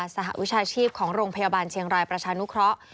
สหวิชาชีพของโรงพยาบาลเชียงรายประชานุเคราะห์